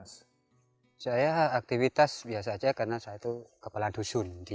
saya aktivitas biasa saja karena saya itu kepala dusun